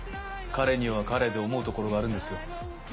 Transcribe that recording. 彼には彼で思うところがあるんですよ。